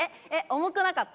重くなかった？